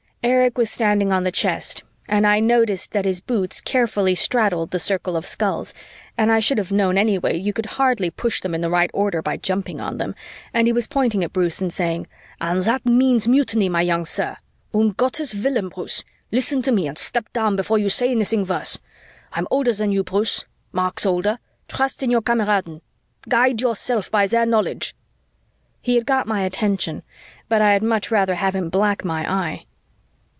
Erich was standing on the chest and I noticed that his boots carefully straddled the circle of skulls, and I should have known anyway you could hardly push them in the right order by jumping on them, and he was pointing at Bruce and saying, " and that means mutiny, my young sir. Um Gottes willen, Bruce, listen to me and step down before you say anything worse. I'm older than you, Bruce. Mark's older. Trust in your Kameraden. Guide yourself by their knowledge." He had got my attention, but I had much rather have him black my eye.